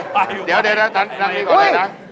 ไปอยู่ค่ะอยู่ค่ะ